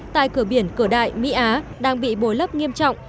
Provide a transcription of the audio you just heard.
tại cửa biển cửa đại mỹ á đang bị bôi lấp nghiêm trọng